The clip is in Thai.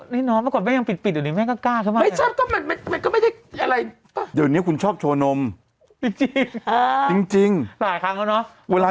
นี่คือยอดเพื่อนก็ซื้อมาให้เพื่อนจะกลับมา